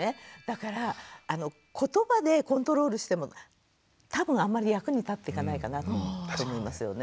だからことばでコントロールしても多分あんまり役に立っていかないかなって思いますよね。